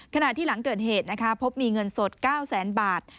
ขณะที่หลังเกิดเหตุพบมีเงินสด๙๐๐๐๐๐บาท